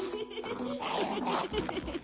ハハっウハハハ！